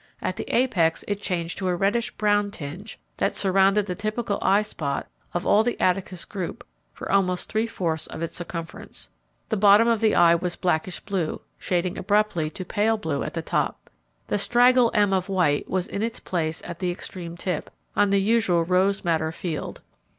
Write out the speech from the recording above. At the apex it changed to a reddish brown tinge that surrounded the typical eye spot of all the Attacus group for almost three fourths of its circumference. The bottom of the eye was blackish blue, shading abruptly to pale blue at the top. The straggle M of white was in its place at the extreme tip, on the usual rose madder field.